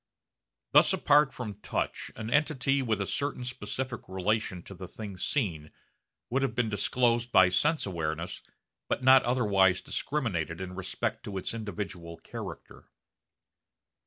Thus apart from the touch an entity with a certain specific relation to the thing seen would have been disclosed by sense awareness but not otherwise discriminated in respect to its individual character.